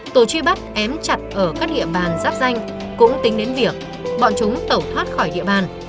tổ truy bắt ém chặt ở các địa bàn giáp danh cũng tính đến việc bọn chúng tẩu thoát khỏi địa bàn